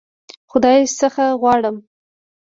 خدای څخه غواړم.